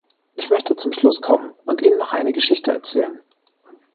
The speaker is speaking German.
Ich möchte zum Schluss kommen und Ihnen noch eine Geschichte erzählen.